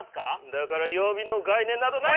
だから曜日の概念などないと。